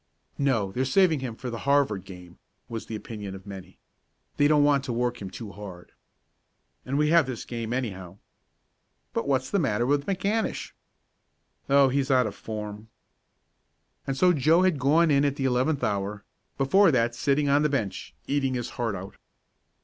"No, they're saving him for the Harvard game," was the opinion of many. "They don't want to work him too hard." "And we have this game anyhow." "But what's the matter with McAnish?" "Oh, he's out of form." And so Joe had gone in at the eleventh hour, before that sitting on the bench, eating his heart out.